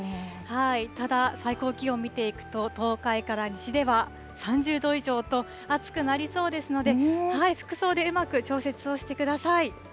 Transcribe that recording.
ただ、最高気温見ていくと、東海から西では、３０度以上と、暑くなりそうですので、服装でうまく調節をしてください。